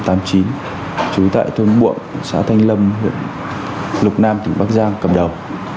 trú tại thôn muộng xã thanh lâm lục nam tỉnh bắc giang cầm đầu